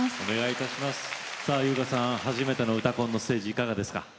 初めての「うたコン」のステージいかがですか？